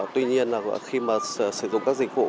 tuy nhiên khi sử dụng các dịch vụ